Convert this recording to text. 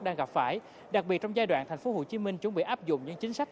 đang gặp phải đặc biệt trong giai đoạn thành phố hồ chí minh chuẩn bị áp dụng những chính sách